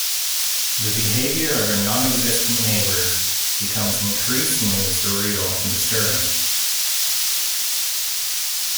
The behavior of her "non-existent" neighbors becomes increasingly surreal and disturbing.